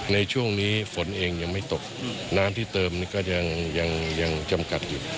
ในช่วงนี้ฝนเองยังไม่ตกน้ำที่เติมก็ยังจำกัดอยู่